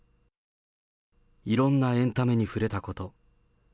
いろんなエンタメに触れたこと。